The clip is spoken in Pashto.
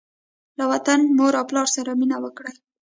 له وطن، مور او پلار سره مینه وکړئ.